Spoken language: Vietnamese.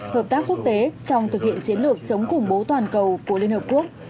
hợp tác quốc tế trong thực hiện chiến lược chống khủng bố toàn cầu của liên hợp quốc